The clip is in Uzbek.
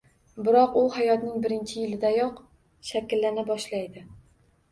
Biroq u hayotning birinchi yilidayoq shakllana boshlaydi.